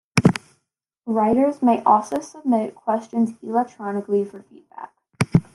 Writers may also submit questions electronically for feedback.